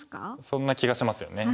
そんな気がしますよね。